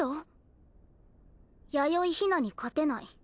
弥生ひなに勝てない。